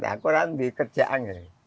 aku kan di kerjaan